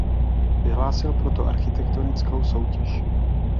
Vyhlásil proto architektonickou soutěž.